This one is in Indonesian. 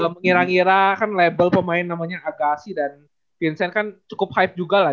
mengira ngira kan label pemain namanya agasi dan vincent kan cukup hype juga lah